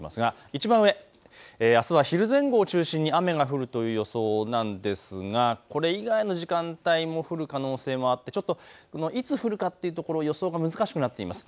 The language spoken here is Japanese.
いちばん上、あすは昼前後を中心に雨が降るという予想なんですがこれ以外の時間帯も降る可能性があっていつ降るかというところ、予想が難しくなっています。